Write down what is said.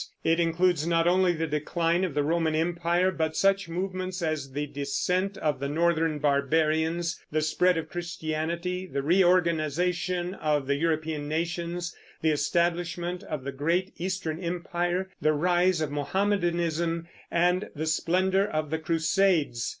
It includes not only the decline of the Roman Empire, but such movements as the descent of the northern barbarians, the spread of Christianity, the reorganization of the European nations, the establishment of the great Eastern Empire, the rise of Mohammedanism, and the splendor of the Crusades.